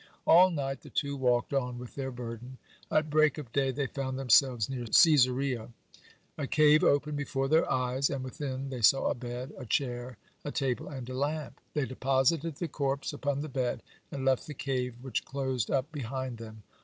All night the two walked on with their burden. At break of day they found themselves near Caesarea. A cave opened before their eyes, and within they saw a bed, a chair, a table, and a lamp. They deposited the corpse upon the bed, and left the cave, which closed up behind them.